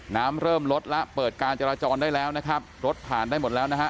น้ำเริ่มลดแล้วเปิดการจราจรได้แล้วนะครับรถผ่านได้หมดแล้วนะฮะ